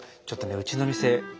ちょっとねうちの店